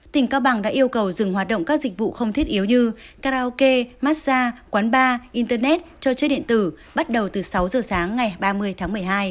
tỉnh cao bằng đã yêu cầu dừng hoạt động các dịch vụ không thiết yếu như karaoke massage quán bar internet cho chơi điện tử bắt đầu từ sáu giờ sáng ngày ba mươi tháng một mươi hai